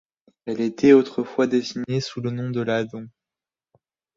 Elle était autrefois désignée sous le nom de Ladon.